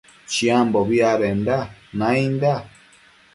Chiambobi adenda nainda